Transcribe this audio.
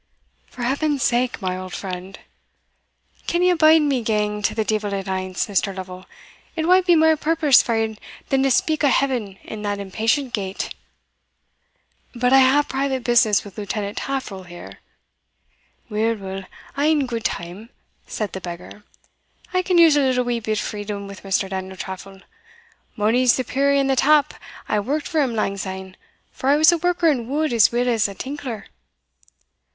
"For heaven's sake, my old friend" "Canna ye bid me gang to the deevil at ance, Mr. Lovel? it wad be mair purpose fa'ard than to speak o' heaven in that impatient gate." "But I have private business with Lieutenant Taffril here." "Weel, weel, a' in gude time," said the beggar "I can use a little wee bit freedom wi' Mr. Daniel Taffril; mony's the peery and the tap I worked for him langsyne, for I was a worker in wood as weel as a tinkler."